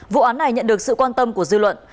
vụ án này nhận được sự quan tâm của dư luận